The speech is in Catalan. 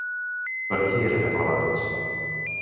Per qui eren aclamades?